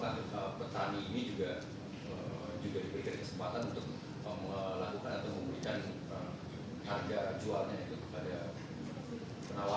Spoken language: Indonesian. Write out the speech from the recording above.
dan apakah petani ini juga diberikan kesempatan untuk melakukan atau membelikan harga jualnya itu pada penawaran